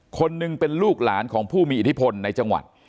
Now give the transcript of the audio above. คนหนึ่งเป็นลูกหลานของผู้มีอิทธิพลในจังหวัด